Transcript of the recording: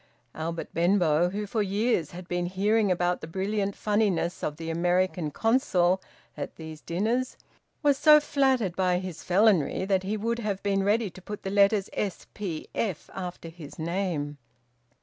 Albert Benbow, who for years had been hearing about the brilliant funniness of the American Consul at these dinners, was so flattered by his Felonry that he would have been ready to put the letters S P F after his name.